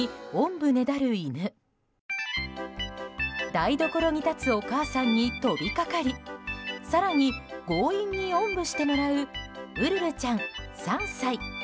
台所に立つお母さんに飛びかかり更に強引におんぶしてもらうウルルちゃん、３歳。